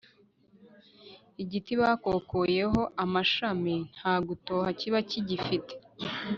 igiti bakokoyeho amashami nta gutoha kiba kigifite